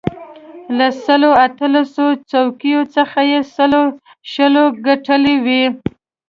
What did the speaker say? له سلو اتلسو څوکیو څخه یې سلو شلو ګټلې وې.